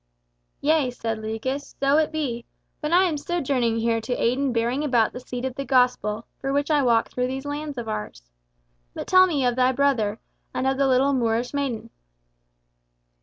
"Yea," said Lucas, "so it be, but I am sojourning here to aid in bearing about the seed of the Gospel, for which I walk through these lands of ours. But tell me of thy brother, and of the little Moorish maiden?"